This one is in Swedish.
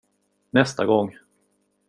Nästa gång.